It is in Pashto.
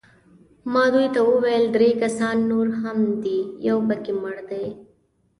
ما دوی ته وویل: درې کسان نور هم دي، یو پکښې مړ دی.